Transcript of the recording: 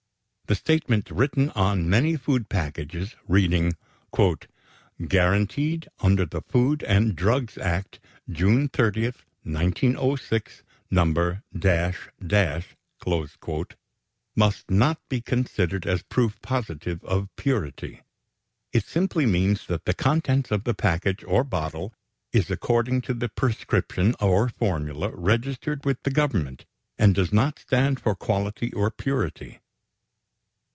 The statement written on many food packages, reading "Guaranteed Under The Food and Drugs Act, June 30, 1906. No. ," must not be considered as proof positive of purity. It simply means that the contents of the package or bottle is according to the prescription or formula registered with the Government, and does not stand for quality or purity.